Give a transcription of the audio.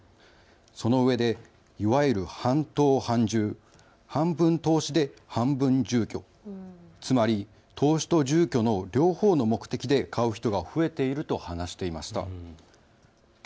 そのうえでいわゆる半投半住、半分投資で、半分住居、つまり投資と住居の両方の目的で買う人が増えていると話していました。